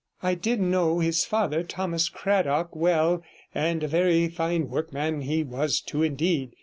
I did know his father, Thomas Cradock, well, and a very fine workman he was too, indeed.